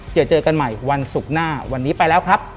เจอเจอกันใหม่วันศุกร์หน้าวันนี้ไปแล้วครับ